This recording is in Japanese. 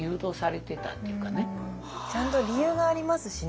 ちゃんと理由がありますしね